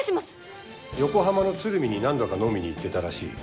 横浜の鶴見に何度か飲みに行ってたらしい。